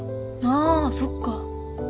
あそっか。